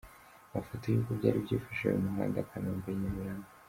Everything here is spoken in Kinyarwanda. Amafoto y’uko byari byifashe mu muhanda Kanombe-Nyamirambo